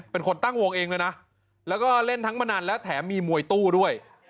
เป็นคนตั้งวงเองเลยนะแล้วก็เล่นทั้งมานานแล้วแถมมีมวยตู้ด้วย